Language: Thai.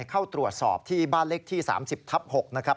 เข้าตรวจสอบที่บ้านเล็กที่๓๐ทัพ๖